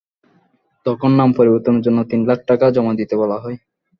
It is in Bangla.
তখন নাম পরিবর্তনের জন্য তিন লাখ টাকা জমা দিতে বলা হয়।